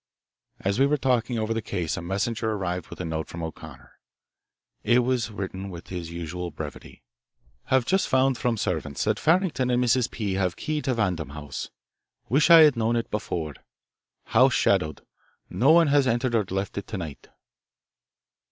As we were talking over the case a messenger arrived with a note from O'Connor. It was written with his usual brevity: "Have just found from servants that Farrington and Mrs. P. have key to Vandam house. Wish I had known it before. House shadowed. No one has entered or left it to night."